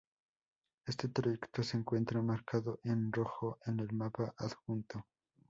Este trayecto se encuentra marcado en rojo en el mapa adjunto.